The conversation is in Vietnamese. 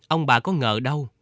ông bà có ngờ đâu